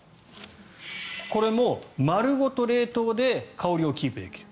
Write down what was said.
これも丸ごと冷凍で香りをキープできる。